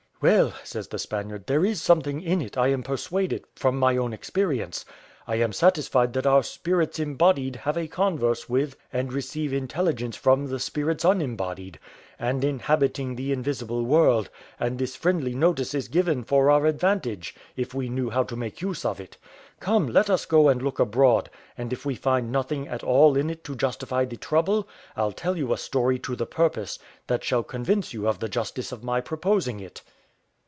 "Well," says the Spaniard, "there is something in it, I am persuaded, from my own experience. I am satisfied that our spirits embodied have a converse with and receive intelligence from the spirits unembodied, and inhabiting the invisible world; and this friendly notice is given for our advantage, if we knew how to make use of it. Come, let us go and look abroad; and if we find nothing at all in it to justify the trouble, I'll tell you a story to the purpose, that shall convince you of the justice of my proposing it."